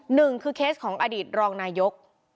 หนึ่งคือเคสของอดีตรองนายก